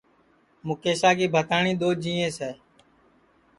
مُکیشا کی بھتاٹؔی دؔو جینٚیس ہے